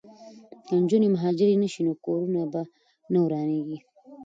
که نجونې مهاجرې نه شي نو کورونه به نه ورانیږي.